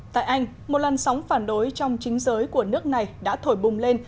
tại anh một lần sóng phản đối trong chính giới của nước này đã thổi bùng lên